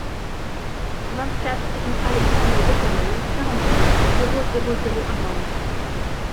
vingt-quatre rue Alexandre Bécamel, quarante-huit, zéro zéro zéro à Mende